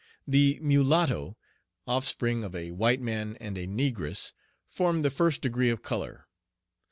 The mulatto, offspring of a white man and a negress, formed the first degree of color.